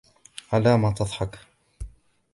علامَ تضحك ؟